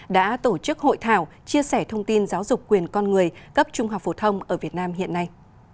đã tổ chức hội thảo chia sẻ thông tin giáo dục quyền con người cấp trung học phổ thông ở việt nam hiện nay